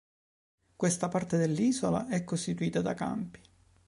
Questa parte dell'isola è costituita da campi.